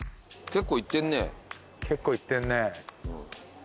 結構いってんね。